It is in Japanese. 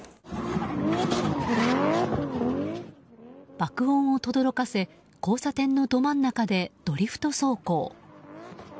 爆音を轟かせ交差点のど真ん中でドリフト走行。